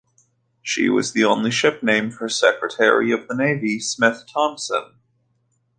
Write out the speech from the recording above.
She was the only ship named for Secretary of the Navy Smith Thompson.